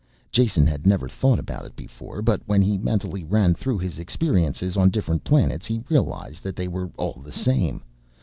Jason had never thought about it before, but when he mentally ran through his experiences on different planets he realized that they were all the same.